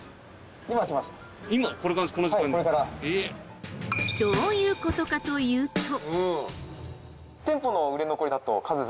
この時間に！？どういうことかというと。